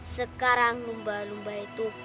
sekarang lumba lumba itu